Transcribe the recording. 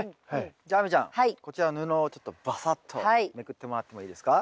じゃあ亜美ちゃんこちらの布をちょっとバサッとめくってもらってもいいですか？